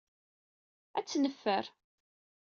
Ad tt-neffer.